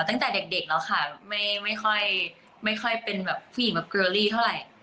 ตั้งแต่เด็กแล้วค่ะไม่ค่อยเป็นผู้หญิงเกอร์ลี่เท่าไหร่